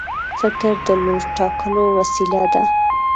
فکر د لور ټاکلو وسیله ده.